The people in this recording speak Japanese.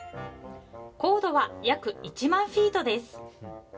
高度は約１万フィートです。